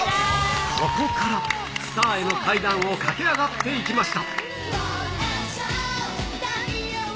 ここからスターへの階段を駆け上がっていきました。